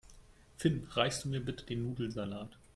Finn, reichst du mir bitte den Nudelsalat?